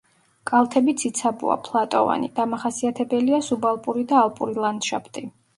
კალთები ციცაბოა, ფლატოვანი, დამახასიათებელია სუბალპური და ალპური ლანდშაფტი.